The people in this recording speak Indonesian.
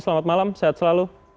selamat malam sehat selalu